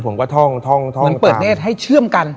ผมก็ท่องท่องเหมือนเปิดเนธให้เชื่อมกัน